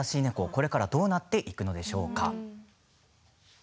これからどうなっていくんでしょうか。